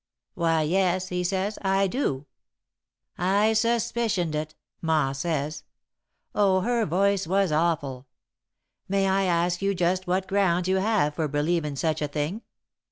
"'Why, yes,' he says. 'I do,' "'I suspicioned it,' Ma says. Oh, her voice was awful! 'May I ask you just what grounds you have for believin' such a thing?'